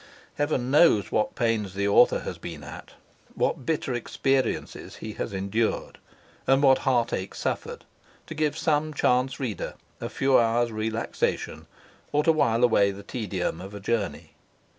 Heaven knows what pains the author has been at, what bitter experiences he has endured and what heartache suffered, to give some chance reader a few hours' relaxation or to while away the tedium of a journey.